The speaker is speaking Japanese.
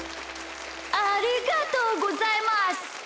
ありがとうございます。